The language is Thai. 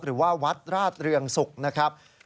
หรือว่าวัดราชเรืองศุกร์นะครับ